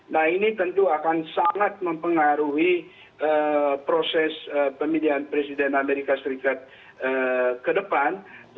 nah ini tentu akan sangat mempengaruhi proses pemilihan presiden amerika serikat ke depan